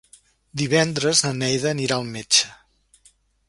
Divendres na Neida anirà al metge.